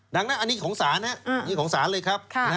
ดังนั้นอันนี้ของศาลนะครับนี่ของศาลเลยครับ